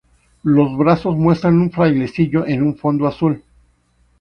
Los brazos muestran un frailecillo en un fondo azul.